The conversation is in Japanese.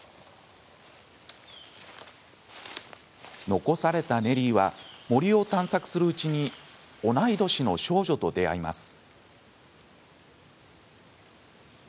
残されたネリーは森を探索するうちに同い年の少女と出会います。